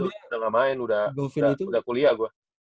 udah gak main udah kuliah gue